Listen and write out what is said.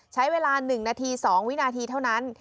ใช้เวลา๑นาที๒วินาทีเท่านั้น